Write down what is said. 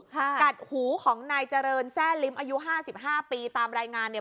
กัดหูของนายเจริญแซ่ลิ้มอายุห้าสิบห้าปีตามรายงานเนี่ย